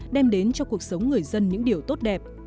đem đến cho cuộc sống người dân những điều tốt đẹp